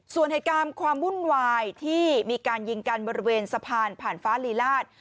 ส่วนเหตุการณ์ความวุ่นวายที่มีการยิงกันบริเวณสะพานผ่านฟ้าลีลาศ